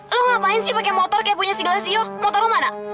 lu ngapain sih pake motor kayak punya si gelasio motor lu mana